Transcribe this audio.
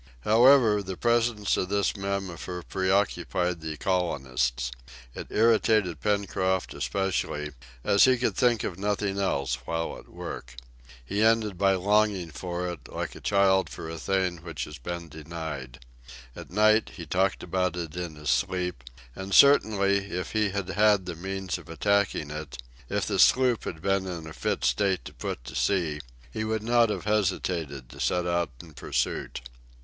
However, the presence of this mammifer preoccupied the colonists. It irritated Pencroft especially, as he could think of nothing else while at work. He ended by longing for it, like a child for a thing which it has been denied. At night he talked about it in his sleep, and certainly if he had had the means of attacking it, if the sloop had been in a fit state to put to sea, he would not have hesitated to set out in pursuit.